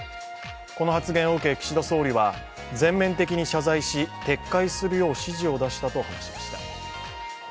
この発言を受け、岸田総理は全面的に謝罪し撤回するよう指示を出したと話しました。